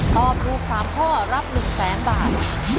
ตอบถูก๓ข้อรับ๑๐๐๐๐๐บาท